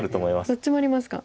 どっちもありますか。